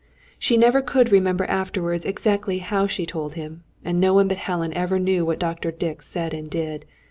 She never could remember afterwards exactly how she told him, and no one but Helen ever knew what Dr. Dick said and did.